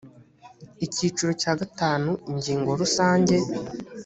icyiciro cya gatanu ingingo rusange